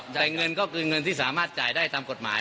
แต่เงินก็คือเงินที่สามารถจ่ายได้ตามกฎหมาย